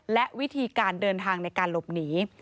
และวิธีการเดินทางในการหลบหนี